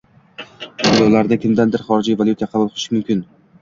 to’lovlarni kimlardan xorijiy valyutada qabul qilishi mumkin?